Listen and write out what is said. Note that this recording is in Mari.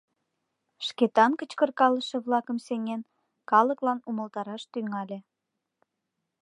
Шкетан, кычкыркалыше-влакым сеҥен, калыклан умылтараш тӱҥале: